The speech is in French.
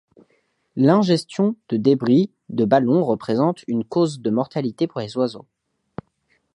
L'ingestion de débris de ballons représente une cause de mortalité pour les oiseaux.